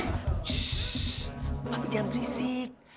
shhh papi jangan berisik